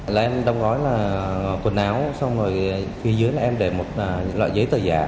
là em đóng gói là quần áo xong rồi phía dưới là em để một loại giấy tờ giả